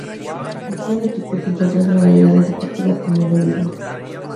Dispone equipos en otras modalidades deportivas como voleibol.